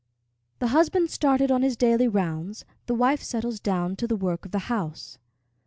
The husband started on his daily rounds, the wife settles down to the work of the house.